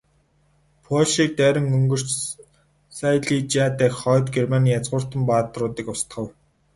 Польшийг дайран өнгөрч, Сайлижиа дахь Хойд Германы язгууртан баатруудыг устгав.